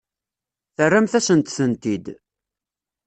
Terramt-asent-tent-id.